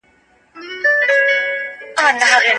سوداګري د ښارونو پرمختګ راوست.